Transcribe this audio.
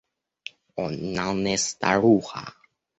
Она не старуха.